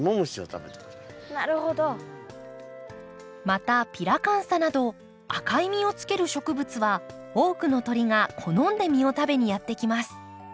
またピラカンサなど赤い実をつける植物は多くの鳥が好んで実を食べにやって来ます。